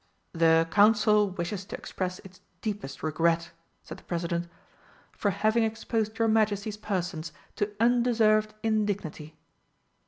"The Council wishes to express its deepest regret," said the President, "for having exposed your Majesties' persons to undeserved indignity."